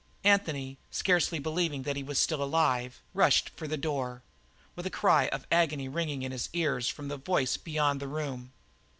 Anthony, scarcely believing that he was still alive, rushed for the door, with a cry of agony ringing in his ears from the voice beyond the room.